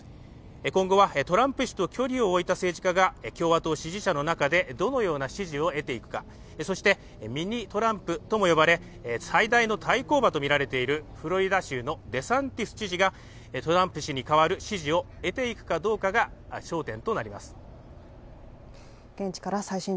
今後はトランプ氏と距離を置いた政治家が共和党の支持者の中でどのような支持を得ていくか、そしてミニトランプとも呼ばれ最大の対抗馬とも言われているフロリダ州のデサンティス知事がトランプ氏に代わる支持を得られるかが焦点になっていきます。